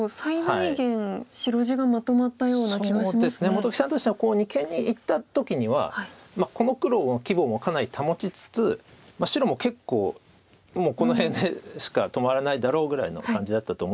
本木さんとしてはこの二間にいった時にはこの黒の規模もかなり保ちつつ白も結構この辺しか止まらないだろうぐらいの感じだったと思うんですけど。